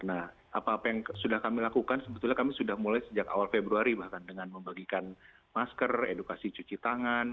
nah apa apa yang sudah kami lakukan sebetulnya kami sudah mulai sejak awal februari bahkan dengan membagikan masker edukasi cuci tangan